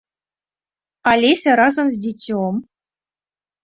Алеся разам з дзіцём.